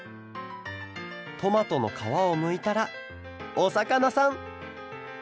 トマトのかわをむいたらおさかなさん！